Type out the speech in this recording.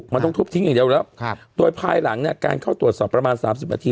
มันต้องทุบทิ้งอย่างเดียวแล้วโดยภายหลังเนี่ยการเข้าตรวจสอบประมาณ๓๐นาที